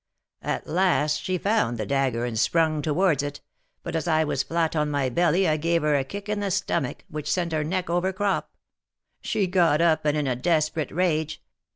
At last she found the dagger and sprung towards it, but as I was flat on my belly I gave her a kick in the stomach, which sent her neck over crop; she got up, and in a desperate rage.